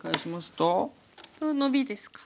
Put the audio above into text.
とノビですか。